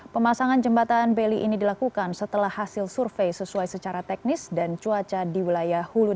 pemasangan jembatan beli ini dilakukan setelah hasil survei sesuai secara teknis dan cuaca di wilayah hulu